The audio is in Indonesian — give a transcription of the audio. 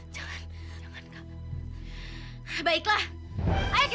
jangan jangan kak